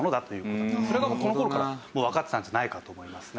それがもうこの頃からわかってたんじゃないかと思いますね。